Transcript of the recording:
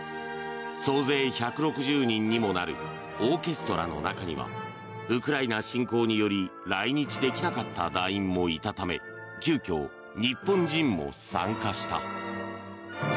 総勢１６０人にもなるオーケストラの中にはウクライナ侵攻により来日できなかった団員もいたため急きょ、日本人も参加した。